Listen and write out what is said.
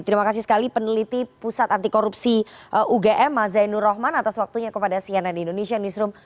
terima kasih sekali peneliti pusat anti korupsi ugm mazainur rohman atas waktunya kepada cnn indonesia newsroom